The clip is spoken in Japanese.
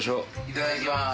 いただきます。